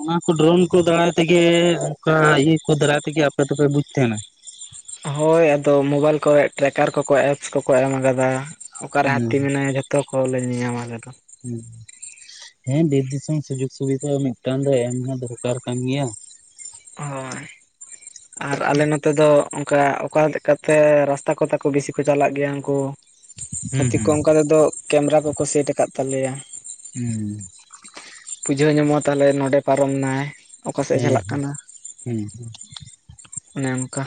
ᱚᱱᱟ ᱠᱚ ᱰᱨᱳᱱ ᱠᱚ ᱫᱟᱨᱟᱭ ᱛᱮᱜᱮ ᱚᱱᱠᱟ ᱤᱭᱟᱹ ᱠᱚ ᱫᱟᱨᱟᱭ ᱛᱮᱜᱮ ᱟᱯᱮ ᱫᱚᱯᱮ ᱵᱩᱡ ᱛᱟᱦᱮᱱᱟ? ᱦᱳᱭ ᱟᱫᱚ ᱢᱳᱵᱟᱭᱤᱞ ᱠᱚᱨᱮ ᱴᱨᱮᱠᱟᱨ ᱠᱚᱠᱚ ᱮᱯᱥ ᱠᱚᱠᱚ ᱮᱢ ᱠᱟᱫᱟ᱾ ᱚᱠᱟᱨᱮ ᱦᱩᱸ ᱦᱟᱹᱛᱤ ᱢᱮᱱᱟᱭᱟ ᱡᱷᱚᱛᱚ ᱠᱚᱞᱮ ᱧᱮᱧᱟᱢᱟ ᱟᱞᱮᱫᱚ᱾ ᱦᱩᱸ ᱦᱮᱸ ᱵᱤᱨᱮᱥ ᱫᱤᱥᱚᱢ ᱥᱩᱡᱳᱜ ᱥᱩᱵᱤᱫᱟ ᱢᱤᱫᱴᱟᱝ ᱫᱚ ᱮᱢ ᱦᱚᱸ ᱫᱚᱨᱠᱟᱨ ᱠᱟᱱ ᱜᱮᱭᱟ᱾ ᱦᱚᱭ᱾ ᱟᱨ ᱟᱞᱮ ᱱᱚᱛᱮ ᱫᱚ ᱚᱝᱠᱟ ᱚᱠᱟ ᱞᱮᱠᱟᱛᱮ ᱨᱟᱥᱛᱟ ᱠᱚᱛᱟ ᱠᱚ ᱵᱤᱥᱤ ᱠᱚ ᱪᱟᱞᱟᱜ ᱜᱤᱭᱟ ᱩᱱᱠᱩ ᱦᱩᱸ ᱦᱟᱹᱛᱤ ᱠᱚ ᱦᱩᱸ ᱚᱝᱠᱮ ᱛᱮᱫᱚ ᱠᱮᱢᱨᱟ ᱠᱚᱠᱚ ᱥᱮᱴ ᱟᱠᱟᱫ ᱛᱟᱞᱮᱭᱟ᱾ ᱦᱩᱸ᱾ ᱯᱩᱡᱟᱹᱣ ᱧᱟᱢᱚᱜᱼᱟ ᱛᱟᱦᱚᱞᱮ ᱱᱚᱸᱰᱮ ᱯᱟᱨᱚᱢ ᱱᱟᱭ᱾ ᱚᱠᱟ ᱥᱮᱫ ᱮ ᱦᱮᱸ ᱦᱮᱸ, ᱪᱟᱞᱟᱜ ᱠᱟᱱᱟ ᱦᱩᱸ ᱦᱩᱸ᱾ ᱚᱱᱮ ᱚᱝᱠᱟ᱾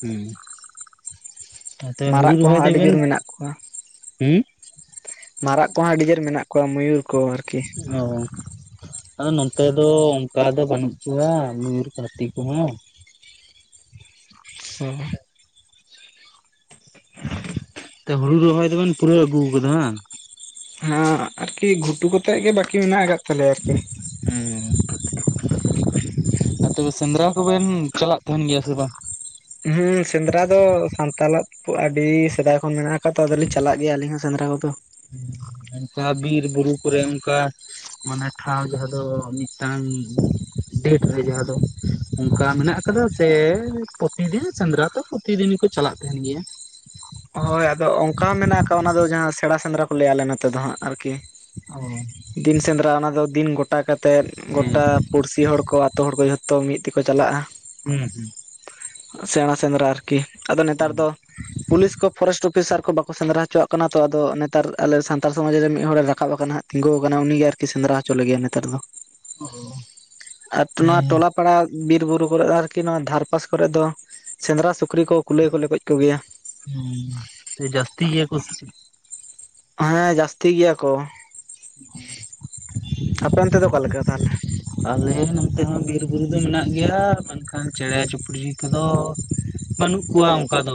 ᱦᱩᱸ ᱛᱟ ᱛᱮ ᱦᱩᱲᱩ ᱢᱟᱨᱟᱜ ᱨᱚᱦᱚᱭ ᱠᱚᱦᱚᱸ ᱟᱹᱰᱤ ᱫᱚᱵᱮᱱ ᱡᱳᱨ ᱢᱮᱱᱟᱜ ᱠᱚᱣᱟ ᱦᱩᱸ ᱢᱟᱨᱟᱜ ᱠᱚᱦᱚᱸ ᱟᱹᱰᱤ ᱡᱳᱨ ᱢᱮᱱᱟᱜ ᱠᱚᱣᱟ ᱢᱚᱭᱩᱨ ᱠᱚ ᱟᱨᱠᱤ᱾ ᱚ᱾ ᱟᱫᱚ ᱱᱚᱱᱛᱮ ᱫᱚ ᱚᱱᱠᱟ ᱫᱚ ᱵᱟᱹᱱᱩᱜ ᱠᱚᱣᱟ ᱢᱚᱭᱩᱨ ᱠᱚ ᱦᱟᱛᱤ ᱠᱩᱦᱚᱸ᱾ ᱦᱚ᱾ ᱛᱮ ᱦᱩᱲᱩ ᱨᱚᱦᱚᱭ ᱫᱚᱵᱮᱱ ᱯᱩᱨᱟᱹᱣ ᱟᱹᱜᱩᱣᱟ ᱠᱟᱫᱟ ᱦᱟᱝ? ᱦᱟᱸ ᱟᱨᱠᱤ ᱜᱷᱩᱴᱩ ᱠᱚᱛᱮᱜ ᱜᱮ ᱵᱟᱠᱤ ᱢᱮᱱᱟᱜ ᱟᱠᱟᱜ ᱛᱟᱞᱮᱭᱟ ᱟᱨᱠᱤ᱾ ᱦᱮᱸ ᱟᱨ ᱛᱚᱵᱮ ᱥᱮᱸᱫᱽᱨᱟ ᱠᱚᱵᱮᱱ ᱪᱟᱞᱟᱜ ᱛᱟᱦᱮᱱ ᱜᱮᱭᱟ ᱥᱮ ᱵᱟᱝ? ᱦᱩᱸ ᱥᱮᱸᱫᱽᱨᱟ ᱫᱚ ᱥᱟᱱᱛᱟᱞᱟᱜ ᱟᱹᱰᱤ ᱥᱮᱫᱟᱭ ᱠᱷᱚᱱ ᱢᱮᱱᱟᱜ ᱟᱠᱟᱛᱚ ᱟᱫᱚᱞᱤᱧ ᱪᱟᱞᱟᱜ ᱜᱮᱭᱟ ᱟᱞᱤᱧᱟᱜ ᱦᱚᱸ ᱥᱮᱸᱫᱽᱨᱟ ᱠᱚᱫᱚ᱾ ᱦᱩᱸ ᱚᱱᱠᱟ ᱵᱤᱨ ᱵᱩᱨᱩ ᱠᱚᱨᱮ ᱚᱱᱠᱟ ᱢᱟᱱᱮ ᱴᱷᱟᱶ ᱡᱟᱦᱟᱸ ᱫᱚ ᱢᱤᱫᱴᱟᱝ ᱰᱮᱴ ᱨᱮ ᱡᱟᱦᱟᱸ ᱫᱚ ᱚᱱᱠᱟ ᱢᱮᱱᱟᱜ ᱟᱠᱟᱫᱟ ᱥᱮ ᱯᱨᱚᱛᱤᱫᱤᱱ ᱥᱮᱸᱫᱽᱨᱟ ᱛᱚ ᱯᱨᱚᱛᱤᱫᱤᱱᱤ ᱜᱮ ᱠᱚ ᱪᱟᱞᱟᱜ ᱛᱟᱦᱮᱱ ᱜᱮᱭᱟ᱾ ᱦᱳᱭ ᱟᱫᱚ ᱚᱱᱠᱟ ᱦᱚ ᱢᱮᱱᱟᱜ ᱟᱠᱟᱜ-ᱟ ᱚᱱᱟ ᱫᱚ ᱡᱟᱦᱟᱸ ᱥᱮᱬᱟ ᱥᱮᱸᱫᱽᱨᱟ ᱠᱚ ᱞᱟᱹᱭᱟ ᱟᱞᱮ ᱱᱚᱛᱮ ᱫᱚ ᱦᱟᱸᱜ ᱟᱨᱠᱤ᱾ ᱚ᱾ ᱫᱤᱱ ᱥᱮᱸᱫᱽᱨᱟ ᱚᱱᱟ ᱫᱚ ᱫᱤᱱ ᱜᱚᱴᱟ ᱠᱟᱛᱮᱫ ᱦᱮᱸ ᱜᱚᱴᱟ ᱯᱩᱲᱥᱤ ᱦᱚᱲ ᱠᱚ, ᱟᱛᱳ ᱦᱚᱲ ᱠᱚ ᱡᱷᱚᱛᱚ ᱢᱤᱫ ᱛᱮᱠᱚ ᱪᱟᱞᱟᱜᱼᱟ᱾ ᱦᱩᱸ ᱦᱩᱸ᱾ ᱥᱮᱬᱟ ᱥᱮᱸᱫᱽᱨᱟ ᱟᱨᱠᱤ᱾ ᱟᱫᱚ ᱦᱩᱸ ᱱᱮᱛᱟᱨ ᱫᱚ ᱯᱩᱞᱤᱥ ᱠᱚ ᱯᱷᱚᱨᱮᱥᱴ ᱚᱯᱷᱤᱥᱟᱨ ᱠᱚ ᱵᱟᱠᱚ ᱥᱮᱸᱫᱽᱨᱟ ᱦᱚᱪᱚᱣᱟᱜ ᱠᱟᱱᱟ ᱛᱚ᱾ ᱟᱫᱚ ᱱᱮᱛᱟᱨ ᱟᱞᱮ ᱥᱟᱱᱛᱟᱲ ᱥᱚᱢᱟᱡᱽ ᱨᱮ ᱢᱤᱫ ᱦᱚᱲᱮ ᱨᱟᱠᱟᱵ ᱟᱠᱟᱱᱟ ᱦᱟᱸᱜ᱾ ᱛᱤᱸᱜᱳᱣ ᱠᱟᱱᱟ ᱩᱱᱤ ᱜᱮ ᱟᱨᱠᱤ ᱥᱮᱸᱫᱽᱨᱟ ᱦᱚᱪᱚ ᱞᱮ ᱜᱮᱭᱟᱭ ᱱᱮᱛᱟᱨ ᱫᱚ᱾ ᱚ ᱟᱨ ᱴᱱᱚᱱᱚᱣᱟ ᱦᱮᱸ ᱴᱚᱞᱟ ᱯᱟᱲᱟ ᱵᱤᱨ ᱵᱩᱨᱩ ᱠᱚᱨᱮ ᱫᱚ ᱟᱨᱠᱤ ᱱᱚᱣᱟ ᱫᱷᱟᱨᱯᱟᱥ ᱠᱚᱨᱮᱫ ᱫᱚ ᱥᱮᱸᱫᱽᱨᱟ ᱥᱩᱠᱨᱤ ᱠᱚ ᱠᱩᱞᱟᱹᱭ ᱠᱚᱞᱮ ᱜᱚᱡ ᱠᱚᱜᱮᱭᱟ᱾ ᱦᱩᱸ ᱛᱮ ᱡᱟᱹᱟᱥᱛᱤ ᱜᱮᱭᱟ ᱠᱚ ᱥᱮ ᱪᱮᱫ? ᱦᱮᱸ ᱡᱟᱹᱥᱛᱤ ᱜᱮᱭᱟ ᱠᱚ᱾ ᱚ᱾ ᱟᱯᱮ ᱚᱱᱛᱮ ᱫᱚ ᱚᱠᱟ ᱞᱮᱠᱟ ᱛᱟᱦᱚᱞᱮ? ᱟᱞᱮ ᱱᱚᱱᱚᱛᱮ ᱦᱚᱸ ᱵᱤᱨᱼᱵᱩᱨᱩ ᱫᱚ ᱢᱮᱱᱟᱜ ᱜᱮᱭᱟ ᱢᱮᱱᱠᱷᱟᱱ ᱪᱮᱬᱮ ᱪᱩᱯᱲᱤ ᱠᱚᱫᱚ ᱵᱟᱹᱱᱩᱜ ᱠᱩᱣᱟ ᱚᱱᱠᱟ ᱫᱚ᱾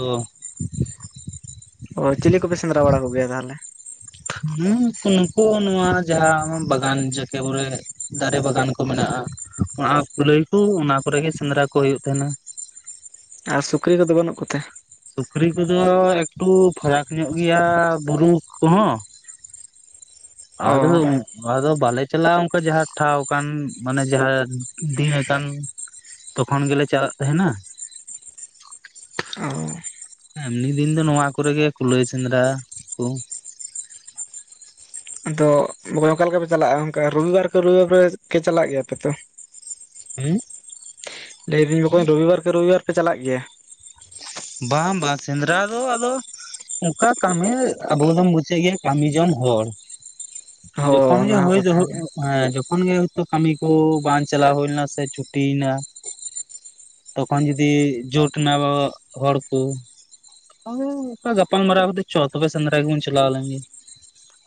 ᱚ ᱪᱤᱞᱮ ᱠᱚᱯᱮ ᱥᱮᱸᱫᱽᱨᱟ ᱵᱟᱲᱟ ᱠᱚᱜᱮᱭᱟ ᱛᱟᱦᱚᱞᱮ? ᱦᱩᱸ ᱠᱩ ᱱᱩᱠᱩ ᱱᱚᱣᱟ ᱡᱟᱦᱟᱸ ᱢᱟ ᱵᱟᱜᱟᱱ ᱡᱟᱠᱮ ᱵᱚᱨᱮ ᱫᱟᱨᱮ ᱵᱟᱜᱟᱱᱠᱚ ᱢᱮᱱᱟᱜᱼᱟ᱾ ᱚᱱᱟ ᱠᱩᱞᱟᱹᱭᱠᱩ ᱚᱱᱟ ᱠᱩᱨᱮᱜᱮ ᱥᱮᱸᱫᱽᱨᱟ ᱠᱚ ᱦᱩᱭᱩᱜ ᱛᱟᱦᱮᱱᱟ᱾ ᱟᱨ ᱥᱩᱠᱨᱤ ᱠᱚᱫᱚ ᱵᱟᱹᱱᱩᱜ ᱠᱚᱛᱮ? ᱥᱩᱠᱨᱤ ᱠᱚᱫᱚ ᱮᱠᱴᱩ ᱯᱷᱟᱨᱟᱠ ᱧᱚᱜ ᱜᱮᱭᱟ ᱵᱩᱨᱩ ᱠᱚᱦᱚᱸ᱾ ᱚ ᱟᱫᱚᱞᱮ ᱟᱫᱚ ᱵᱟᱞᱮ ᱪᱟᱞᱟᱜᱼᱟ ᱚᱱᱠᱟ ᱡᱟᱦᱟᱸ ᱴᱷᱟᱶ ᱠᱟᱱ ᱢᱟᱱᱮ ᱡᱟᱦᱟᱸ ᱫᱤᱱ ᱟᱠᱟᱱ ᱛᱚᱠᱷᱚᱱ ᱜᱮᱞᱮ ᱪᱟᱞᱟᱜ ᱛᱟᱦᱮᱱᱟ᱾ ᱚ᱾ ᱮᱢᱱᱤ ᱫᱤᱱ ᱫᱚ ᱱᱚᱣᱟ ᱠᱚᱨᱮᱜᱮ ᱠᱩᱞᱟᱹᱭ ᱥᱮᱸᱫᱽᱨᱟ ᱠᱚ᱾ ᱟᱫᱚ ᱵᱚᱠᱚᱧ ᱚᱠᱟ ᱞᱮᱠᱟᱯᱮ ᱪᱟᱞᱟᱜᱼᱟ ᱚᱱᱠᱟ ᱨᱚᱵᱤᱵᱟᱨ ᱠᱮ ᱨᱚᱵᱤᱵᱟᱨ ᱯᱮ ᱠᱮ ᱪᱟᱞᱟᱜ ᱜᱮᱭᱟᱯᱮ ᱛᱚ? ᱦᱩᱸ? ᱞᱟᱹᱭ ᱤᱫᱟᱹᱧ ᱵᱚᱠᱚᱧ ᱨᱩᱵᱤ ᱵᱟᱨ ᱠᱮ ᱨᱩᱵᱤ ᱵᱟᱨ ᱯᱮ ᱪᱟᱞᱟᱜ ᱜᱮᱭᱟ? ᱵᱟᱝ ᱵᱟᱝ ᱥᱮᱸᱫᱽᱨᱟ ᱫᱚ ᱟᱫᱚ ᱚᱝᱠᱟ ᱠᱟᱹᱢᱤ ᱟᱵᱚ ᱫᱚᱢ ᱵᱩᱡᱽᱼᱮᱜ ᱜᱮᱭᱟ ᱠᱟᱹᱢᱤ ᱡᱚᱢ ᱦᱚᱲ, ᱦᱚ ᱡᱚᱠᱷᱚᱱ ᱚᱱᱟ ᱜᱮ ᱦᱚᱸ ᱦᱩᱭ ᱠᱟᱛᱷᱟ ᱜᱮ ᱫᱚᱦᱚᱜᱼᱚᱜ ᱦᱮᱸ ᱡᱚᱠ ᱠᱷᱚᱱ ᱜᱮ ᱦᱚᱭᱛᱚ ᱠᱟᱹᱢᱤ ᱠᱚ ᱵᱟᱝ ᱪᱟᱞᱟᱣ ᱦᱩᱭ ᱞᱮᱱᱟ ᱥᱮ ᱪᱷᱩᱴᱤᱭᱮᱱᱟ ᱛᱚᱠᱷᱚᱱ ᱡᱩᱫᱤ ᱡᱳᱴ ᱮᱱᱟ ᱟᱵᱟᱵᱟᱜ ᱦᱚᱲ ᱠᱳ, ᱦᱚ, ᱚᱠᱟ ᱜᱟᱯᱟᱞ ᱢᱟᱨᱟᱣ ᱠᱟᱛᱮ ᱪᱚ ᱛᱚᱵᱮ ᱥᱮᱸᱫᱽᱨᱟ ᱜᱮᱵᱚᱱ ᱪᱟᱞᱟᱣ ᱞᱮᱱ ᱜᱮ।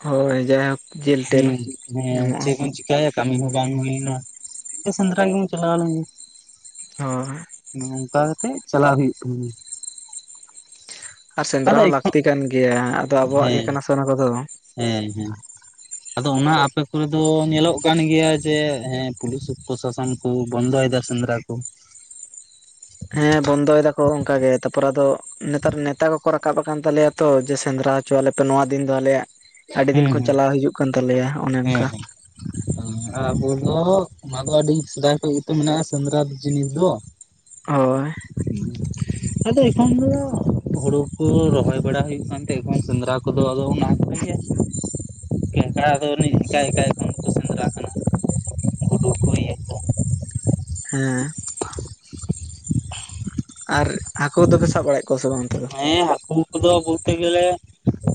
ᱦᱳᱭ ᱡᱟᱭᱦᱩᱠ ᱦᱩᱸ, ᱦᱮᱸ ᱪᱮᱜ ᱵᱚᱱ ᱪᱤᱠ ᱠᱟᱭᱟ, ᱠᱟᱹᱢᱤ ᱦᱚᱸ ᱵᱟᱝ ᱦᱩᱭ ᱞᱮᱱᱟ ᱪᱚ ᱥᱮᱸᱫᱽᱨᱟ ᱜᱮᱵᱚᱱ ᱪᱟᱞᱟᱣ ᱞᱮᱱ ᱜᱮ। ᱦᱳᱭ। ᱜᱚᱝᱠᱟᱣ ᱠᱟᱛᱮᱜ ᱪᱟᱞᱟᱜ ᱦᱩᱭᱩᱜ ᱛᱟᱢᱟ। ᱟᱨ ᱥᱮᱸᱫᱽᱨᱟ ᱟᱫᱚ ᱦᱚᱸ ᱮᱠᱷᱚᱱ ᱞᱟᱹᱠᱛᱤ ᱠᱟᱱ ᱜᱮᱭᱟ ᱟᱫᱚ ᱟᱵᱚᱣᱟᱜ ᱜᱮ ᱦᱮᱸ ᱠᱟᱱᱟ ᱥᱮ ᱚᱱᱟ ᱠᱚᱫᱚ। ᱦᱮᱸ ᱦᱮᱸ। ᱟᱫᱚ ᱚᱱᱟ ᱟᱯᱮ ᱠᱚᱨᱮ ᱫᱚ ᱧᱮᱞᱚᱜ ᱠᱟᱱ ᱜᱮᱭᱟ ᱡᱮ ᱦᱮᱸ ᱯᱩᱞᱤᱥ ᱯᱨᱚᱥᱟᱥᱚᱱ ᱠᱩ ᱵᱚᱱᱫᱚᱭᱮᱫᱟ ᱥᱮᱸᱫᱽᱨᱟ ᱠᱚ। ᱦᱮᱸ ᱵᱚᱱᱫᱚᱭᱮᱫᱟ ᱠᱚ ᱚᱝᱠᱟ ᱜᱮ ᱛᱟᱯᱚᱨᱮ ᱟᱫᱚ ᱱᱮᱛᱟᱨ ᱱᱮᱛᱟ ᱠᱚᱠᱚ ᱨᱟᱠᱟᱵ ᱟᱠᱟᱱ ᱛᱟᱞᱮᱭᱟ ᱛᱚ ᱡᱮ ᱥᱮᱸᱫᱽᱨᱟ ᱦᱚᱪᱚ ᱣᱟᱞᱮᱯᱮ ᱱᱚᱣᱟ ᱫᱤᱱ ᱫᱚ ᱟᱞᱮᱭᱟᱜ ᱟᱹᱰᱤ ᱫᱤᱱ ᱦᱮᱸ ᱠᱷᱚᱱ ᱦᱮᱸ ᱪᱟᱞᱟᱣ ᱦᱤᱡᱩᱜ ᱠᱟᱱ ᱛᱟᱞᱮᱭᱟ ᱚᱱᱮ ᱚᱱᱠᱟ। [unintelligible] ᱦᱮᱸ। ᱦᱮᱸ ᱟᱨ ᱟᱹᱵᱩ ᱫᱚ ᱚᱱᱟ ᱫᱚ ᱟᱹᱰᱤ ᱥᱮᱫᱟᱭ ᱠᱷᱚᱡ ᱜᱮᱛᱚ ᱢᱮᱱᱟᱜᱼᱟ ᱥᱮᱸᱫᱽᱨᱟᱫ ᱡᱤᱱᱤᱥ ᱫᱚ ᱦᱳᱭ। ᱦᱩᱸ, ᱟᱫᱚ ᱮᱠᱷᱚᱱ ᱫᱚ ᱦᱩᱲᱩ ᱠᱚ ᱨᱚᱦᱚᱭ ᱵᱟᱲᱟ ᱦᱩᱭᱩᱜ ᱠᱟᱱ ᱛᱮᱸ ᱮᱠᱷᱚᱱ ᱥᱮᱸᱫᱽᱨᱟ ᱠᱚᱫᱚ ᱟᱫᱚ ᱚᱱᱟ ᱠᱚᱨᱮ ᱜᱮ ᱠᱮᱸᱠᱟᱬᱟᱫ ᱟᱫᱚ ᱩᱱᱤ ᱮᱠᱟᱭ ᱮᱠᱟᱭ ᱠᱷᱚᱱ ᱜᱮ ᱠᱚ ᱥᱮᱸᱫᱽᱨᱟ ᱠᱟᱱᱟ। ᱜᱩᱰᱩ ᱠᱚ ᱤᱭᱟᱹ ᱠᱚ ᱦᱮᱸ। ᱟᱨ ᱦᱟᱠᱳ ᱫᱚᱯᱮ ᱥᱟᱵ ᱵᱟᱲᱟᱭᱮᱫ ᱠᱚᱣᱟ ᱥᱮ ᱵᱟᱝ ᱚᱱᱛᱮ ᱫᱚ? ᱦᱮᱸ ᱦᱟᱹᱠᱩ ᱠᱚᱫᱚ ᱵᱚᱞᱛᱮ ᱜᱮᱞᱮ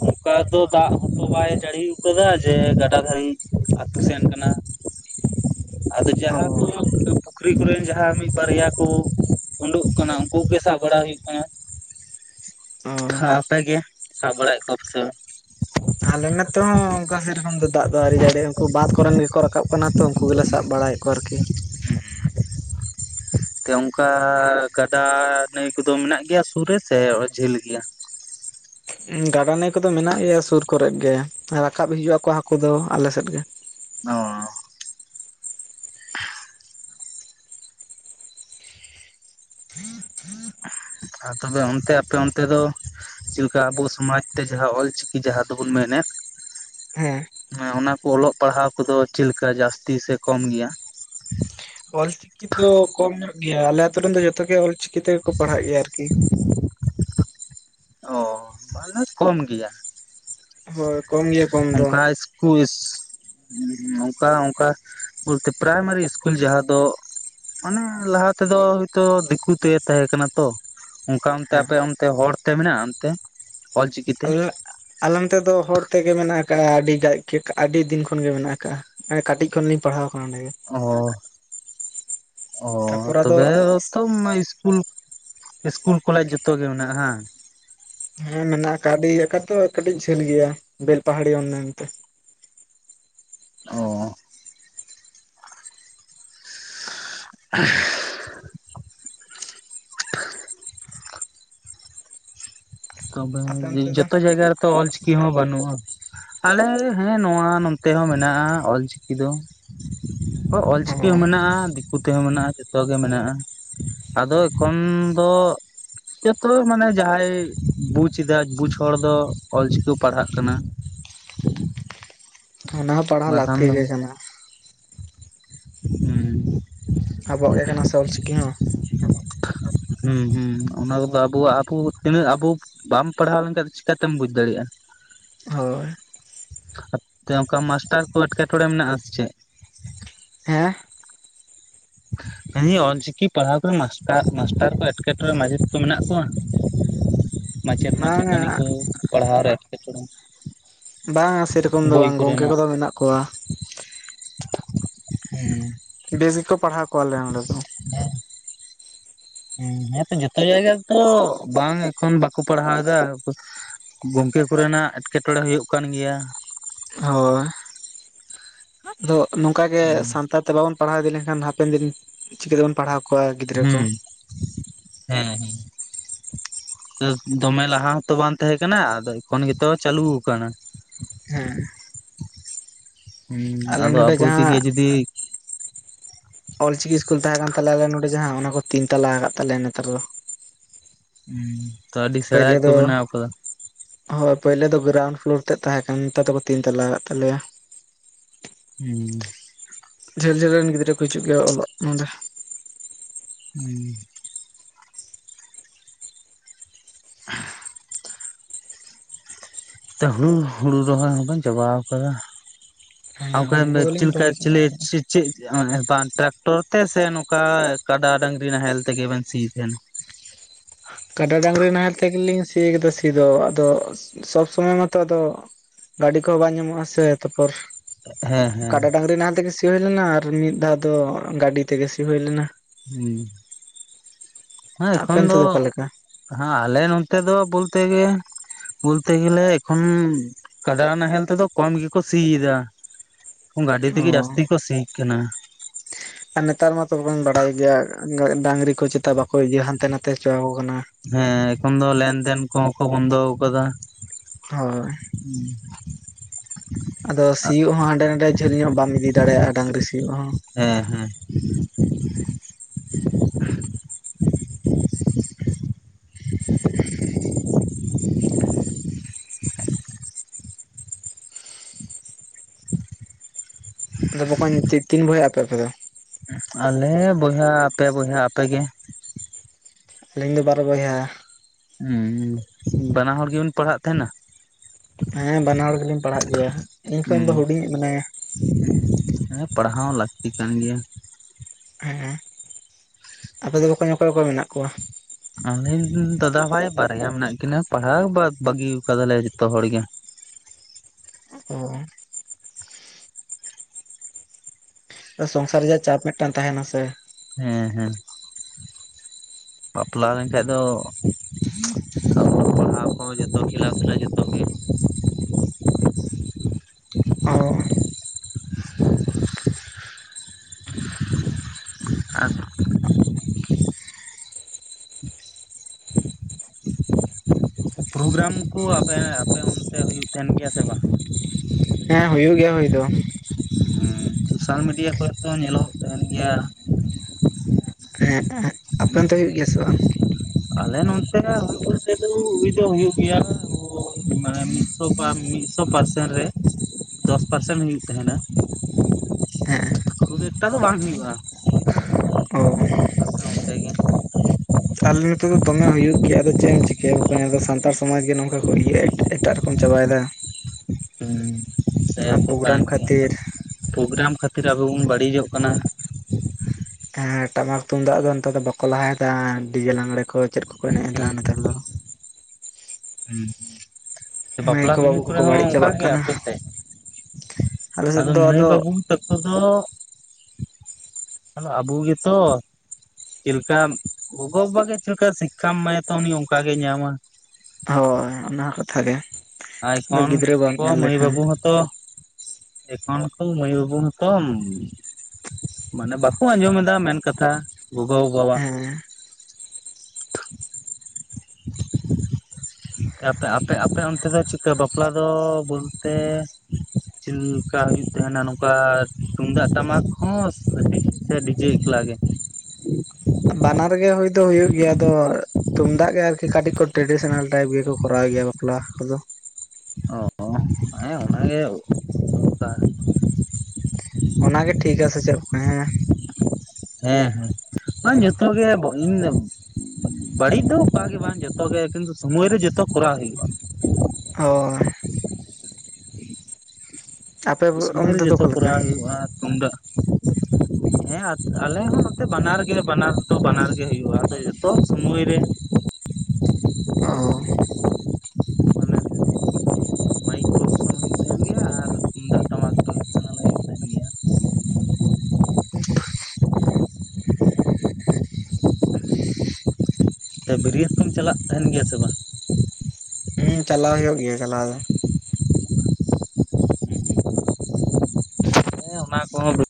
ᱚᱝᱠᱟ ᱫᱚ ᱫᱟᱜ ᱦᱚᱸᱛᱚ ᱵᱟᱭ ᱡᱟᱹᱲᱤ ᱟᱠᱟᱫᱟ ᱡᱮ ᱜᱟᱰᱟ ᱫᱷᱟᱣᱤᱡ ᱟᱹᱛᱩ ᱥᱮᱱ ᱠᱟᱱᱟ। ᱟᱫᱚ ᱡᱟᱦᱟᱸ ᱚ ᱫᱚ [unintelligible] ᱯᱩᱠᱷᱨᱤ ᱠᱚᱨᱮ ᱡᱟᱦᱟᱸ ᱢᱤᱫ ᱵᱟᱨᱭᱟ ᱠᱚ ᱩᱰᱩᱠ ᱟᱠᱟᱱᱟ ᱩᱱᱠᱩ ᱜᱮ ᱥᱟᱵ ᱵᱟᱲᱟ ᱦᱩᱭᱩᱜ ᱠᱟᱱᱟ, ᱚ ᱟᱯᱮ ᱜᱮ ᱥᱟᱵ ᱵᱟᱲᱟᱭᱮᱫ ᱠᱚᱣᱟ ᱯᱮ ᱥᱮ ᱵᱟᱝ? ᱟᱞᱮ ᱢᱟ ᱛᱚ ᱦᱚᱸᱜᱼᱚᱝᱠᱟ ᱥᱮ ᱨᱚᱠᱚᱢ ᱫᱚ ᱫᱟᱜ ᱫᱚ ᱟᱹᱣᱨᱤ ᱡᱟᱹᱲᱤ ᱩᱱᱠᱩ ᱵᱟᱸᱫᱷ ᱠᱚᱨᱮᱱ ᱜᱮᱠᱚ ᱨᱟᱠᱟᱵ ᱠᱟᱱᱟ ᱛᱚ ᱩᱝᱠᱩ ᱜᱮᱞᱮ ᱥᱟᱵ ᱵᱟᱲᱟᱭᱮᱫ ᱠᱚᱣᱟ ᱟᱨᱠᱤ। ᱦᱩᱸ [unintelligible] ᱠᱮ ᱚᱝᱠᱟ ᱜᱟᱰᱟ ᱱᱟᱹᱭ ᱠᱚᱫᱚ ᱢᱮᱱᱟᱜ ᱜᱮᱭᱟ ᱥᱩᱨ ᱨᱮ ᱥᱮ ᱡᱷᱟᱹᱞ ᱜᱮᱭᱟ? ᱩᱸ ᱜᱟᱰᱟ ᱱᱟᱹᱭ ᱠᱚᱫᱚ ᱢᱮᱱᱟᱜ ᱜᱮᱭᱟ ᱥᱩᱨ ᱠᱚᱨᱮᱫ ᱜᱮ ᱨᱟᱠᱟᱵ ᱦᱤᱡᱩᱜᱼᱟᱠᱚ ᱦᱟᱹᱠᱩ ᱫᱚ ᱟᱞᱮ ᱥᱮᱫ ᱜᱮ। ᱚ, [unintelligible] ᱟᱨ ᱛᱚᱵᱮ ᱚᱱᱛᱮ ᱟᱯᱮ ᱚᱱᱛᱮ ᱫᱚ ᱪᱮᱫ ᱞᱮᱠᱟ ᱟᱵᱚ ᱥᱚᱢᱟᱡᱽ ᱛᱮ ᱡᱟᱦᱟᱸ ᱚᱞᱪᱤᱠᱤ ᱡᱟᱦᱟᱸ ᱫᱚᱵᱚᱱ ᱢᱮᱱᱮᱫ, ᱦᱮᱸ। ᱦᱮᱸ ᱚᱱᱟ ᱠᱚ ᱚᱞᱚᱜ ᱯᱟᱲᱦᱟᱣ ᱠᱚᱫᱚ ᱪᱤᱫ ᱞᱮᱠᱟ ᱡᱟᱹᱥᱛᱤ ᱥᱮ ᱠᱚᱢ ᱜᱮᱭᱟ? ᱚᱞ ᱪᱤᱠᱤ ᱫᱚ ᱠᱚᱢ ᱧᱚᱜ ᱜᱮᱭᱟ ᱟᱞᱮ ᱟᱹᱛᱩ ᱨᱮᱱ ᱫᱚ ᱡᱚᱛᱚ ᱜᱮ ᱚᱞ ᱪᱤᱠᱤ ᱛᱮᱜᱮ ᱠᱚ ᱯᱟᱲᱦᱟᱜ ᱜᱮᱭᱟ ᱟᱨᱠᱤ। ᱚ ᱢᱟᱱᱮ ᱠᱚᱢ ᱜᱮᱭᱟ। ᱦᱳᱭ ᱠᱚᱢ ᱜᱮᱭᱟ ᱠᱚᱢ ᱫᱚ᱾ [unintelligible] ᱚᱱᱠᱟ ᱚᱱᱠᱟ ᱵᱚᱞᱛᱮ ᱯᱨᱟᱭᱢᱟᱨᱤ ᱥᱠᱩᱞ ᱡᱟᱦᱟᱸ ᱫᱚ ᱚᱱᱮ ᱞᱟᱦᱟ ᱛᱮᱫᱚ ᱦᱚᱭᱛᱚ ᱫᱤᱠᱩ ᱛᱮ ᱛᱟᱦᱮᱸ ᱠᱟᱱᱟ ᱛᱚ᱾ ᱚᱱᱠᱟ ᱚᱱᱛᱮ ᱦᱮᱸ ᱟᱯᱮ ᱚᱱᱛᱮ ᱦᱚᱲᱛᱮ ᱢᱮᱱᱟᱜᱼᱟ ᱚᱱᱛᱮ ᱚᱞᱪᱤᱠᱤ ᱛᱮ? ᱟᱞᱮ ᱟᱞᱮ ᱚᱱᱛᱮ ᱫᱚ ᱦᱚᱲ ᱛᱮᱜᱮ ᱢᱮᱱᱟᱜ ᱠᱟᱜᱼᱟ᱾ ᱟᱹᱰᱤ [unintelligible] ᱟᱹᱰᱤ ᱫᱤᱱ ᱠᱷᱚᱱ ᱜᱮ ᱢᱮᱱᱟᱜ ᱠᱟᱜᱼᱟ᱾ ᱮᱸ ᱠᱟᱴᱤᱡ ᱠᱷᱚᱱ ᱞᱤᱧ ᱯᱟᱲᱦᱟᱣ ᱠᱟᱱᱟ ᱚᱸᱰᱮ ᱜᱮ᱾ ᱚ ᱛᱟᱯᱚᱨ ᱟᱫᱚ ᱛᱚᱵᱮ [unintelligible] ᱤᱥᱠᱩᱞ, ᱤᱥᱠᱩᱞ ᱠᱚᱞᱮᱡᱽ ᱡᱚᱛᱚ ᱜᱮ ᱢᱮᱱᱟᱜᱼᱟ ᱦᱟᱝ? ᱦᱮᱸ ᱢᱮᱱᱟᱜ ᱠᱟᱫᱼᱟ ᱟᱹᱰᱤ ᱟᱠᱟᱛᱮ ᱠᱟᱹᱴᱤᱡ ᱡᱷᱟᱹᱞ ᱜᱮᱭᱟ ᱵᱮᱞᱯᱟᱦᱟᱲᱤ ᱚᱱᱮ ᱚᱮᱱᱛᱮ᱾ ᱚ [inaudible] ᱛᱚᱵᱮ ᱟᱯᱮ ᱚᱱᱛᱮ ᱫᱚ ᱡᱚᱛᱚ ᱡᱟᱭᱜᱟ ᱨᱮᱛᱚ ᱚᱞᱪᱤᱠᱤ ᱦᱚᱸ ᱵᱟᱹᱱᱩᱜᱼᱟ᱾ ᱟᱞᱮ ᱦᱮᱸ ᱱᱚᱣᱟ ᱱᱚᱱᱛᱮ ᱦᱚᱸ ᱢᱮᱱᱟᱜᱼᱟ ᱚᱞᱪᱤᱠᱤ ᱫᱚ᱾ ᱚᱞᱪᱤᱠᱤ ᱦᱚᱸ ᱚ ᱢᱮᱱᱟᱜᱼᱟ, ᱫᱤᱠᱩ ᱯᱩᱛᱷᱤ ᱦᱚᱸ ᱢᱮᱱᱟᱜᱼᱟ, ᱡᱚᱛᱚ ᱜᱮ ᱢᱮᱱᱟᱜᱼᱟ, ᱟᱫᱚ ᱮᱠᱷᱚᱱ ᱫᱚ ᱡᱚᱛᱚᱭ ᱢᱟᱱᱮ ᱡᱟᱦᱟᱸᱭ ᱵᱩᱡᱫᱟ ᱵᱩᱡ ᱦᱚᱲ ᱫᱚ ᱚᱞᱪᱤᱠᱤ ᱯᱟᱲᱦᱟᱜ ᱠᱟᱱᱟ᱾ ᱚᱱᱟ ᱦᱚᱸ ᱯᱟᱲᱦᱟᱣ ᱵᱟᱠᱷᱟᱱ ᱞᱟᱹᱠᱛᱤ ᱫᱚ ᱜᱮ ᱠᱟᱱᱟ᱾ ᱦᱩᱸ ᱟᱵᱚᱣᱟᱜ ᱜᱮ ᱠᱟᱱᱟ ᱥᱮ ᱚᱞ ᱪᱤᱠᱤ ᱦᱚᱸ᱾ ᱦᱮᱸ ᱦᱮᱸ ᱚᱱᱟ ᱠᱚᱫᱚ ᱟᱵᱚᱣᱟᱜ ᱟᱵᱚ ᱛᱤᱱᱟᱹᱜ ᱟᱵᱚ ᱵᱟᱢ ᱯᱟᱲᱦᱟᱣ ᱞᱮᱱᱠᱷᱟᱡ ᱪᱤᱠᱟᱛᱮᱢ ᱵᱩᱡ ᱫᱟᱲᱮᱜᱼᱟ ᱾ ᱦᱳᱭ᱾ [unintelligible] ᱚᱱᱠᱟ ᱢᱟᱥᱴᱟᱨ ᱠᱚ ᱮᱸᱴᱠᱮᱴᱚᱬᱮᱸ ᱢᱮᱱᱟᱜᱼᱟ ᱥᱮ ᱪᱮᱫ? ᱦᱮᱸ? ᱢᱮᱱᱫᱤᱧ ᱚᱞᱪᱤᱠᱤ ᱯᱟᱲᱦᱟᱣ ᱠᱚᱨᱮ ᱢᱟᱥᱴᱟᱨ ᱢᱟᱥᱴᱟᱨ ᱠᱚ ᱮᱸᱴᱠᱮᱴᱚᱲᱮ ᱢᱟᱪᱮᱫ ᱠᱚ ᱢᱮᱱᱟᱜ ᱠᱚᱣᱟ? ᱢᱟᱪᱮᱫ ᱵᱟᱝᱟ ᱢᱟᱪᱮᱛᱟᱹᱱᱤ ᱠᱚ ᱯᱟᱲᱦᱟᱣ ᱨᱮ ᱮᱴᱠᱮᱴᱚᱬᱮ ᱵᱟᱝᱟ ᱥᱮᱨᱚᱠᱚᱢ ᱫᱚ ᱵᱳᱭ ᱵᱟᱝ ᱜᱚᱝᱠᱮ ᱠᱚᱨᱮᱱᱟᱜ ᱠᱚᱫᱚ ᱢᱮᱱᱟᱜ ᱠᱚᱣᱟ᱾ [unintelligible] ᱵᱮᱥ ᱜᱮ ᱠᱚ ᱯᱟᱲᱦᱟᱣ ᱠᱚᱣᱟ ᱟᱞᱮ ᱱᱚᱰᱮ ᱫᱚ᱾ ᱦᱮᱸᱛᱚ ᱡᱚᱛᱚ ᱡᱟᱭᱜᱟ ᱨᱮᱛᱚ ᱵᱟᱝ ᱮᱠᱷᱚᱱ ᱵᱟᱠᱚ ᱯᱟᱲᱦᱟᱣᱫᱟ᱾ ᱜᱚᱝᱠᱮ ᱠᱚᱨᱮᱱᱟᱜ ᱮᱸᱴᱠᱮᱴᱚᱬᱮ ᱦᱳᱭᱳᱜ ᱠᱟᱱ ᱜᱮᱭᱟ᱾ ᱦᱳᱭ᱾ ᱟᱫᱚ ᱱᱚᱝᱠᱟ ᱜᱮ ᱦᱩᱸ ᱥᱟᱱᱛᱟᱲ ᱛᱮ ᱵᱟᱵᱚᱱ ᱯᱟᱲᱦᱟᱣ ᱤᱫᱤ ᱞᱮᱱᱠᱷᱟᱱ ᱦᱟᱯᱮᱱ ᱫᱤᱱ ᱪᱤᱠᱟᱹ ᱛᱮᱵᱚᱱ ᱯᱟᱲᱦᱟᱣ ᱠᱚᱣᱟ ᱜᱤᱫᱽᱨᱟᱹ ᱠᱚ᱾ ᱦᱮᱸ ᱦᱮᱸ᱾ ᱫᱚᱢᱮ ᱞᱟᱦᱟ ᱦᱚᱸᱛᱚ ᱵᱟᱝ ᱛᱟᱦᱮᱸ ᱠᱟᱱᱟ᱾ ᱟᱫᱚ ᱮᱠᱷᱚᱱ ᱜᱮᱛᱚ ᱪᱟᱹᱞᱩ ᱠᱟᱱᱟ᱾ ᱦᱮᱸ᱾ ᱦᱩᱸ ᱟᱞᱮ ᱟᱫᱚ ᱱᱚᱰᱮ ᱟᱵᱚ ᱛᱮᱜᱮ ᱡᱟᱦᱟᱸ ᱡᱩᱫᱤ ᱚᱞᱪᱤᱠᱤ ᱤᱥᱠᱩᱞ ᱛᱟᱦᱮᱸ ᱠᱟᱱ ᱛᱟᱞᱮᱭᱟ ᱟᱞᱮ ᱱᱚᱰᱮ ᱡᱟᱦᱟᱸ ᱚᱱᱟ ᱠᱚ ᱛᱤᱱ ᱛᱟᱞᱟ ᱠᱟᱫ ᱛᱟᱞᱮᱭᱟ ᱱᱮᱛᱟᱨ ᱫᱚ᱾ [unintelligible] ᱛᱚ ᱟᱹᱰᱤ ᱥᱮᱬᱟ ᱯᱟᱹᱭᱞᱟᱹ ᱜᱮ ᱠᱚ ᱫᱚ ᱵᱮᱱᱟᱣ ᱠᱟᱫᱟ᱾ ᱦᱳᱭ ᱯᱳᱭᱞᱳ ᱫᱚ ᱜᱨᱟᱣᱩᱱᱰ ᱯᱷᱳᱞᱳᱨ ᱛᱮᱫ ᱛᱟᱦᱮᱸ ᱠᱟᱱᱟ ᱱᱮᱛᱟᱨ ᱫᱚᱠᱚ ᱛᱤᱱ ᱛᱟᱞᱟ ᱠᱟᱫ ᱛᱟᱞᱮᱭᱟ᱾ ᱦᱩᱸ᱾ ᱡᱷᱟᱹᱞ ᱡᱷᱟᱹᱞ ᱨᱮᱱ ᱜᱤᱫᱽᱟᱹ ᱠᱚ ᱦᱤᱡᱩᱜ ᱜᱮᱭᱟ ᱚᱞᱚᱜ ᱱᱚᱸᱰᱮ᱾ [unintelligible] ᱛᱮ ᱦᱩᱲᱩ ᱦᱩᱲᱩ ᱨᱚᱦᱚᱭ ᱦᱚᱸ ᱵᱮᱱ ᱪᱟᱵᱟᱣ ᱠᱟᱫᱟ? ᱦᱮᱸ ᱦᱩᱲᱩ [inaudible] ᱠᱚᱫᱚᱞᱤᱧ ᱪᱤᱞᱠᱟ ᱨᱚᱦᱚᱭ ᱪᱟᱵᱟ ᱪᱮᱞᱮ ᱟᱠᱟᱫᱟ ᱪᱤ ᱪᱮᱫ ᱵᱟᱝ ᱴᱨᱟᱠᱴᱚᱨ ᱛᱮ ᱥᱮ ᱱᱚᱝᱠᱟ ᱠᱟᱰᱟ, ᱰᱟᱝᱨᱤ ᱱᱟᱦᱮᱞ ᱛᱮᱜᱮ ᱵᱮᱱ ᱥᱤᱭ ᱛᱟᱦᱮᱸᱱ? ᱠᱟᱰᱟ ᱰᱟᱝᱨᱤ ᱱᱟᱦᱮᱞ ᱛᱮᱜᱮ ᱞᱤᱧ ᱥᱤ ᱠᱟᱫᱟ ᱥᱤ ᱫᱚ ᱟᱫᱚ ᱥᱚᱵ ᱥᱚᱢᱚᱭ ᱢᱟᱛᱚ ᱟᱫᱚ ᱜᱟᱹᱰᱤ ᱠᱚᱦᱚᱸ ᱵᱟᱝ ᱧᱟᱢᱚᱜᱼᱟ ᱥᱮ ᱛᱟᱯᱚᱨ ᱦᱮᱸ ᱦᱮᱸ ᱠᱟᱰᱟ ᱰᱟᱝᱨᱤ ᱱᱟᱦᱮᱞ ᱛᱮᱜᱮ ᱥᱤ ᱦᱩᱭ ᱞᱮᱱᱟ ᱟᱨ ᱢᱤᱫ ᱫᱷᱟᱣ ᱫᱚ ᱜᱟᱹᱰᱤ ᱛᱮᱜᱮ ᱥᱤ ᱦᱩᱭ ᱞᱮᱱᱟ ᱾ ᱦᱩᱸ ᱾ ᱦᱮᱸ ᱟᱯᱮ ᱮᱠᱷᱚᱱ ᱚᱱᱛᱮ ᱫᱚ ᱚᱠᱟ ᱞᱮᱠᱟ? ᱦᱟᱸ ᱟᱞᱮ ᱱᱚᱛᱮ ᱫᱚ ᱵᱚᱞᱛᱮ ᱜᱮ ᱵᱚᱞᱛᱮ ᱜᱮᱞᱮ ᱮᱠᱷᱚᱱ ᱠᱟᱰᱟ ᱱᱟᱦᱮᱞ ᱛᱮᱫᱚ ᱠᱚᱢ ᱜᱮᱠᱚ ᱥᱤ ᱮᱫᱟ ᱾ ᱜᱟᱹᱰᱤ ᱛᱮᱜᱮ ᱚ ᱡᱟᱹᱥᱛᱤ ᱠᱚ ᱥᱤ ᱠᱟᱱᱟ ᱾ ᱟᱨ ᱱᱮᱛᱟᱨ ᱢᱟᱛᱚ ᱵᱮᱱ ᱵᱟᱰᱟᱭ ᱜᱮᱭᱟ ᱰᱟᱝᱨᱤ ᱠᱚ ᱪᱮᱛᱟ ᱵᱟᱠᱚ ᱤᱭᱟᱹ ᱦᱟᱱᱛᱮ ᱱᱟᱛᱮ ᱦᱚᱪᱚ ᱟᱠᱚ ᱠᱟᱱᱟ᱾ ᱦᱮᱸ ᱮᱠᱷᱚᱱ ᱫᱚ ᱞᱮᱱᱫᱮᱱ ᱠᱚᱦᱚᱸ ᱠᱚ ᱵᱚᱱᱫᱚ ᱟᱠᱟᱫᱟ ᱾ ᱦᱳᱭ ᱾ [unintelligible] ᱟᱫᱚ ᱥᱤᱭᱳᱜ ᱦᱚᱸ ᱦᱟᱸᱰᱮ ᱱᱟᱰᱮ ᱡᱷᱟᱹᱞ ᱧᱚᱜ ᱵᱟᱢ ᱤᱫᱤ ᱫᱟᱲᱮᱭᱟᱜᱼᱟ ᱰᱟᱝᱨᱤ ᱥᱤᱭᱳᱜ ᱦᱚᱸ ᱾ ᱦᱮᱸ ᱦᱮᱸ ᱾ [unintelligible] ᱟᱫᱚ ᱵᱚᱠᱚᱧ ᱛᱤᱱ ᱛᱤᱱ ᱵᱳᱭᱦᱟ ᱟᱯᱮ ᱟᱯᱮ ᱫᱚ? ᱟᱞᱮ ᱵᱚᱭᱦᱟ ᱯᱮ ᱵᱚᱭᱦᱟ, ᱟᱯᱮ ᱜᱮ? ᱟ. ᱞᱤᱧ ᱫᱚ ᱵᱟᱨ ᱵᱚᱭᱦᱟ ᱾ ᱦᱩᱸ ᱵᱟᱱᱟ ᱦᱚᱲ ᱜᱮᱵᱤᱱ ᱯᱟᱲᱦᱟᱜ ᱛᱟᱦᱮᱱᱟ? ᱦᱮᱸ ᱵᱟᱱᱟ ᱦᱚᱲ ᱜᱮᱞᱤᱧ ᱯᱟᱲᱦᱟᱜ ᱜᱮᱭᱟ ᱤᱧ ᱠᱷᱚᱱ ᱫᱚ ᱦᱩᱸ ᱦᱩᱰᱤᱧᱤ ᱢᱮᱱᱟᱭᱟ ᱾ ᱦᱮᱸ ᱯᱟᱲᱦᱟᱣ ᱦᱚᱸ ᱞᱟᱹᱠᱛᱤ ᱠᱟᱱ ᱜᱮᱭᱟ ᱾ ᱦᱮᱸ ᱟᱯᱮ ᱫᱚ ᱵᱚᱠᱚᱧ ᱚᱠᱚᱭ ᱚᱠᱚᱭ ᱠᱚ ᱢᱮᱱᱟᱜ ᱠᱚᱣᱟ? ᱟᱹᱞᱤᱧ ᱫᱟᱫᱟ ᱵᱷᱟᱭ ᱵᱟᱨᱭᱟ ᱢᱮᱱᱟᱜ ᱠᱤᱱᱟ ᱯᱟᱲᱦᱟᱣ ᱵᱟ ᱵᱟᱹᱜᱤ ᱠᱟᱫᱟᱞᱮ ᱡᱷᱚᱛᱚ ᱦᱚᱲ ᱜᱮ ᱾ [unintelligible] ᱥᱚᱝᱥᱟᱨ ᱨᱮᱭᱟᱜ ᱪᱟᱯ ᱢᱤᱫᱴᱟᱝ ᱛᱟᱦᱮᱸᱱᱟ ᱥᱮ ᱾ ᱦᱮᱸ ᱦᱮᱸ ᱵᱟᱯᱞᱟ ᱞᱮᱱᱠᱷᱟᱡ ᱫᱚ ᱟᱵᱚ ᱯᱟᱲᱦᱟᱣ ᱠᱚ ᱡᱚᱛᱷᱚ ᱠᱷᱮᱞᱟ ᱯᱷᱮᱞᱟ ᱡᱚᱛᱷᱚ ᱜᱮ᱾ ᱚᱻ [unintelligible] ᱯᱨᱳᱜᱨᱟᱢ ᱠᱚ ᱟᱯᱮ ᱟᱯᱮ ᱚᱱᱛᱮ ᱦᱩᱭᱩᱜ ᱛᱟᱦᱮᱸᱱ ᱜᱮᱭᱟ ᱥᱮ ᱵᱟᱝ? ᱦᱮᱸ ᱦᱩᱭᱩᱜ ᱜᱮᱭᱟ ᱦᱩᱭ ᱫᱚ ᱾ ᱥᱳᱥᱟᱞ ᱢᱤᱰᱤᱭᱟ ᱠᱚᱨᱮ ᱫᱚ ᱧᱮᱞᱚᱜ ᱛᱟᱦᱮᱸᱱ ᱜᱮᱭᱟ ᱾ ᱦᱮᱸ ᱦᱮᱸ ᱟᱯᱮ ᱚᱱᱛᱮ ᱦᱩᱭᱩᱜ ᱜᱤᱭᱟ ᱥᱮ ᱵᱟᱝ? ᱟᱞᱮ ᱱᱚᱛᱮ ᱵᱚᱞᱛᱮ ᱫᱚ ᱦᱩᱭ ᱫᱚ ᱦᱩᱭᱩᱜ ᱜᱤᱭᱟ ᱾ ᱳᱭ ᱢᱟᱱᱮ ᱢᱤᱫᱥᱚ ᱵᱟᱝ ᱢᱤᱫᱥᱚ ᱯᱟᱨᱥᱮᱱ ᱨᱮ ᱫᱚᱥ ᱯᱟᱨᱥᱮᱱ ᱦᱩᱭᱩᱜ ᱛᱟᱦᱮᱸᱱᱟ ᱾ ᱦᱮᱸ ᱾ ᱠᱷᱩᱵ ᱮᱠᱴᱟ ᱫᱚ ᱵᱟᱝ ᱦᱩᱭᱩᱜᱼᱟ ᱾ ᱚᱻ ᱾ ᱟᱯᱮ ᱚᱱᱛᱮ ᱜᱮ ᱟᱞᱮ ᱱᱳᱛᱮ ᱫᱚᱢᱮ ᱦᱩᱭᱩᱜ ᱜᱮᱭᱟ ᱟᱫᱚ ᱪᱮᱫ ᱮᱢ ᱪᱤᱠᱟᱹᱭᱟ ᱵᱚᱠᱚᱧ ᱟᱫᱚ ᱥᱟᱱᱛᱟᱲ ᱥᱚᱢᱟᱡᱽ ᱜᱮ ᱱᱚᱝᱠᱟ ᱠᱚ ᱤᱭᱟᱹ ᱮᱴᱟᱜ ᱨᱚᱠᱚᱢ ᱪᱟᱵᱟᱭᱮᱫᱟ ᱾ ᱦᱩᱸ ᱥᱮᱨᱚᱠᱚ ᱯᱨᱳᱜᱨᱟᱢ ᱠᱷᱟᱹᱛᱤᱨ [inaudible] ᱯᱨᱳᱜᱨᱟᱢ ᱠᱷᱟᱹᱛᱤᱨ ᱟᱵᱚ ᱵᱚᱱ ᱵᱟᱹᱲᱤᱡᱚᱜ ᱠᱟᱱᱟ᱾ ᱮᱸᱻ ᱴᱟᱢᱟᱠ ᱛᱩᱢᱫᱟᱜ ᱫᱚ ᱱᱮᱛᱟᱨ ᱫᱚ ᱵᱟᱠᱚ ᱞᱟᱦᱟᱭᱮᱫᱟ ᱰᱤᱡᱮ ᱞᱟᱜᱽᱬᱮ ᱠᱚ ᱪᱮᱫ ᱠᱚᱠᱚ ᱮᱱᱮᱡ ᱮᱫᱟ ᱱᱮᱛᱟᱨ ᱫᱚ ᱾ ᱦᱩᱸ ᱦᱩᱸ ᱢᱟᱹᱭ ᱵᱟᱯᱞᱟ ᱠᱚ ᱵᱤᱦᱟᱹ ᱵᱟᱹᱵᱩ ᱠᱚᱨᱮ ᱠᱚᱠᱚ ᱦᱚᱸ ᱵᱟᱹᱲᱤᱡ ᱪᱟᱵᱟᱜ ᱚᱱᱠᱟᱜᱮ ᱠᱟᱱᱟ ᱟᱯᱮ ᱥᱮᱫ? ᱟᱞᱮ ᱥᱮᱫ ᱟᱫᱚ ᱫᱚ ᱢᱟᱹᱭ ᱵᱟᱹᱵᱩ ᱛᱟᱠᱚ ᱫᱚ ᱟᱫᱚ ᱟᱵᱩ ᱜᱮᱛᱚ᱾ ᱪᱮᱞᱠᱟ ᱜᱚᱜᱚ-ᱵᱟᱵᱟ ᱜᱮ ᱪᱮᱞᱠᱟ ᱥᱤᱠᱷᱟᱢ ᱮᱢᱟᱭᱟ ᱛᱚ ᱩᱱᱤ ᱚᱱᱠᱟᱜᱮ ᱧᱟᱢᱟ᱾ ᱦᱳᱭ ᱚᱱᱟ ᱦᱚᱸ ᱠᱟᱛᱷᱟ ᱜᱮ᱾ ᱟᱭ ᱟᱫᱚ ᱯᱷᱳᱱ ᱜᱤᱫᱽᱨᱟᱹ ᱵᱟᱢ ᱠᱚ ᱧᱮᱞ ᱢᱟᱹᱭ ᱞᱮᱠᱷᱟᱱ ᱵᱟᱹᱵᱩ ᱦᱚᱸᱛᱚ ᱮᱠᱷᱚᱱ ᱠᱚ ᱢᱟᱹᱭ ᱵᱟᱹᱵᱩ ᱦᱚᱛᱚᱢ ᱢᱟᱱᱮ ᱵᱟᱠᱚ ᱟᱸᱡᱚᱢᱮᱫᱟ ᱢᱮᱱ ᱠᱟᱛᱷᱟ ᱜᱚᱜᱚ-ᱵᱟᱵᱟᱣᱟᱜ᱾ ᱦᱮᱸ [inaudible] ᱟᱯᱮ ᱟᱯᱮ ᱟᱯᱮ ᱚᱱᱛᱮ ᱫᱚ ᱪᱤᱠᱟᱹ ᱵᱟᱯᱞᱟ ᱫᱚ ᱵᱚᱞᱛᱮ ᱪᱤᱞ ᱞᱮᱠᱟ ᱦᱩᱭᱩᱜ ᱛᱟᱦᱮᱱᱟ ᱱᱚᱝᱠᱟ ᱛᱩᱢᱫᱟᱜ ᱴᱟᱢᱟᱠ ᱦᱚᱸ ᱥᱮ ᱰᱤᱡᱮ ᱰᱤᱡᱮ ᱮᱠᱞᱟᱜᱮ? ᱵᱟᱱᱟᱨ ᱜᱮ ᱦᱩᱭᱳ ᱫᱚ ᱦᱩᱭᱩᱜ ᱜᱮᱭᱟ ᱟᱫᱚ ᱛᱩᱢᱫᱟᱜ ᱜᱮ ᱟᱨᱠᱤ ᱠᱟᱹᱴᱤᱡ ᱠᱚ ᱴᱨᱮᱰᱤᱥᱚᱱᱟᱞ ᱴᱟᱭᱤᱯ ᱜᱮᱠᱚ ᱠᱚᱨᱟᱣ ᱜᱮᱭᱟ ᱵᱟᱯᱞᱟ ᱠᱚᱫᱚ᱾ ᱚ ᱦᱮᱸ ᱚᱱᱟᱜᱮ [unintelligible] ᱚᱱᱟᱜᱮ ᱴᱷᱤᱠᱟ ᱥᱮ ᱪᱮᱫ ᱦᱮᱸ᱾ ᱦᱮᱸ ᱦᱮᱸ᱾ ᱵᱟᱝ ᱡᱷᱚᱛᱚ ᱜᱮ ᱤᱧ ᱫᱚ ᱵᱟᱹᱲᱤᱡ ᱫᱚ ᱚᱠᱟ ᱜᱮ ᱵᱟᱝ ᱡᱚᱛᱚᱜ ᱜᱮ ᱠᱤᱱᱛᱩ ᱥᱚᱢᱚᱭ ᱨᱮ ᱡᱚᱛᱚ ᱠᱚᱨᱟᱣ ᱦᱩᱭᱩᱜᱼᱟ᱾ ᱚ᱾ ᱟᱯᱮ ᱥᱚᱢᱚᱭ ᱨᱮ ᱚᱱᱛᱮ ᱫᱚ ᱡᱚᱛᱚ ᱚᱠᱟ ᱞᱮᱠᱟ ᱠᱚᱨᱟᱣ ᱦᱩᱭᱩᱜᱼᱟ ᱛᱩᱢᱫᱟᱜ ᱦᱮᱸ ᱟᱞᱮ ᱦᱚᱸ ᱱᱚᱛᱮ ᱵᱟᱱᱟᱨ ᱜᱮ ᱵᱟᱱᱟᱨ ᱛᱚ ᱵᱟᱱᱟᱨ ᱜᱮ ᱦᱩᱭᱩᱜᱼᱟ ᱟᱫᱚ ᱡᱚᱛᱚ ᱥᱩᱚᱢᱚᱭ ᱨᱮ ᱚ᱾ ᱢᱟᱹᱭᱤᱠ ᱠᱚ ᱟᱱᱟ ᱥᱟᱜᱜᱮ ᱛᱟᱦᱮᱱ ᱜᱮᱭᱟ ᱟᱨ ᱛᱩᱢᱫᱟᱜ ᱴᱟᱢᱟᱠ ᱠᱚ [unintelligible] ᱛᱟᱦᱮᱱ ᱜᱮᱭᱟ ᱾ [unintelligible] ᱛᱮ ᱵᱤᱨᱟᱹᱨᱭᱟᱹᱛ ᱠᱚᱢ ᱪᱟᱞᱟᱜ ᱛᱟᱦᱮᱱ ᱜᱮᱭᱟ ᱥᱮ ᱵᱟᱝ? ᱦᱩᱸ ᱪᱟᱞᱟᱣ ᱦᱩᱭᱩᱜ ᱜᱮᱭᱟ ᱪᱟᱞᱟᱣ ᱫᱚ᱾ ᱦᱮᱸ ᱚᱱᱟ ᱠᱚᱦᱚᱸ